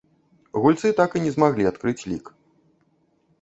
Гульцы так і не змаглі адкрыць лік.